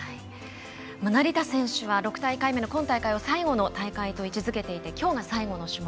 成田選手は６大会目の今大会を最後の大会と位置づけていて今日が最後の種目。